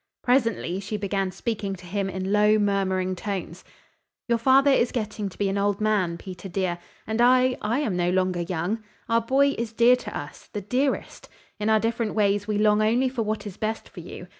Presently she began speaking to him in low, murmuring tones: "Your father is getting to be an old man, Peter, dear, and I I am no longer young. Our boy is dear to us the dearest. In our different ways we long only for what is best for you.